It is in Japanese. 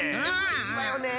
いいわよね。